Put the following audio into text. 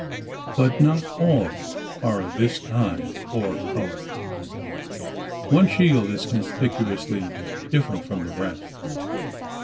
But not all are of this kind or colour. One shield is conspicuously different from the rest.